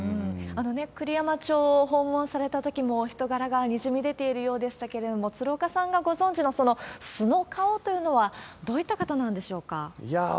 栗山町を訪問されたときも、人柄がにじみ出ているようでしたけれども、鶴岡さんがご存じの、素の顔というのは、どういった方なんでしょいやー